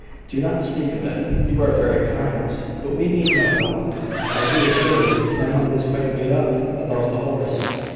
"Do not speak of it. You are very kind; but we need no help, I do assure you. My mind is quite made up about the horse.